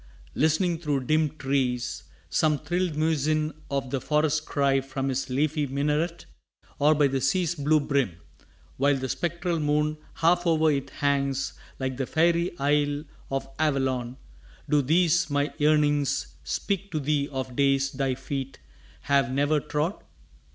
Listening through dim trees Some thrilled muezzin of the forest cry From his leafy minaret? Or by the sea's Blue brim, while the spectral moon half o'er it hangs Like the faery isle of Avalon, do these My yearnings speak to thee of days thy feet Have never trod?